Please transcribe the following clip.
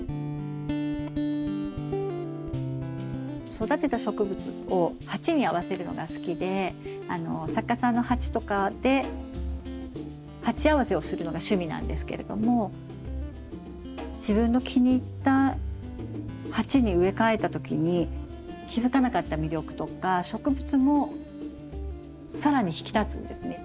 育てた植物を鉢に合わせるのが好きであの作家さんの鉢とかで鉢合わせをするのが趣味なんですけれども自分の気に入った鉢に植え替えた時に気付かなかった魅力とか植物も更に引き立つんですね。